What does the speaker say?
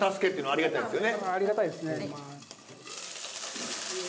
ありがたいですね。